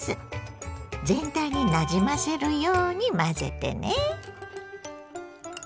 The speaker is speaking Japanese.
全体になじませるように混ぜてね。